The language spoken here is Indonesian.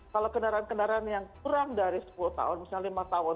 kalau kendaraan kendaraan yang kurang dari sepuluh tahun misalnya lima tahun